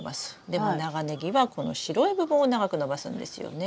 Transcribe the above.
でも長ネギはこの白い部分を長く伸ばすんですよね。